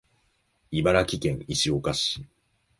茨城県石岡市